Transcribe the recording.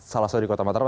salah satu di kota mataram